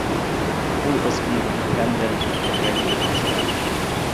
Ул ысҡынып киткән дә Ергә килеп төшкән.